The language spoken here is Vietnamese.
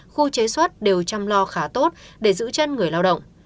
khu chế xuất đều chăm lo khá tốt để giữ chân người lao động